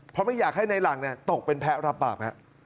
เพราะไม่อยากให้ในหลังตกเป็นแพ้รับบาป